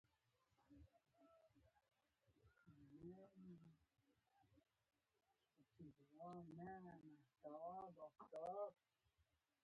باطل څه کیږي؟